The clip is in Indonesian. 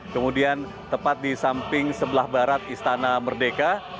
kemudian tepat di samping sebelah barat istana merdeka